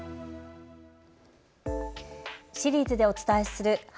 シリーズでお伝えする＃